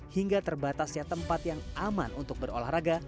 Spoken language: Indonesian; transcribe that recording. hingga terbatasnya tempat yang aman untuk berolahraga